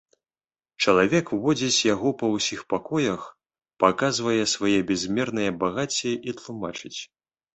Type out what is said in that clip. Чалавек водзіць яго па ўсіх пакоях, паказвае свае бязмерныя багацці і тлумачыць.